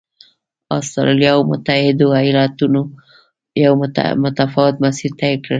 اسټرالیا او متحدو ایالتونو یو متفاوت مسیر طی کړ.